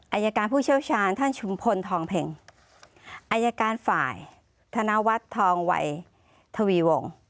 อายการผู้เชี่ยวชาญท่านชุมพลทองเพ็งอายการฝ่ายธนวัฒน์ทองวัยทวีวง